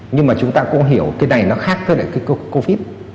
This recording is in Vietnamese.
nhưng mà chúng ta cũng hiểu cái này nó khác với covid